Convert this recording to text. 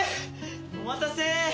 お待たせ！